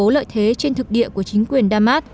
lợi thế trên thực địa của chính quyền damas